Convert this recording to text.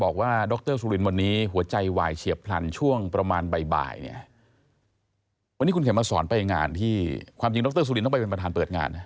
คุณเขียนมาสอนไปงานที่ความจริงดรสุรินทร์ต้องไปเป็นประธานเปิดงาน